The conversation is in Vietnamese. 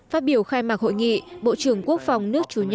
phát biểu khai mạc hội nghị bộ trưởng quốc phòng nước chủ nhà